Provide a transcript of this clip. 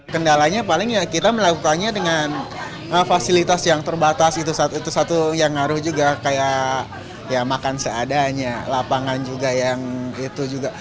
kendalanya paling ya kita melakukannya dengan fasilitas yang terbatas itu satu yang ngaruh juga kayak makan seadanya lapangan juga yang itu juga